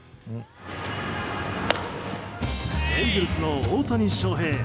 エンゼルスの大谷翔平。